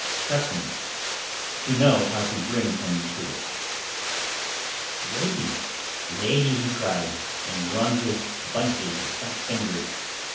Trust me to know how to bring him to it." "Lady, lady!" he cried, and wrung his bunches of fat fingers.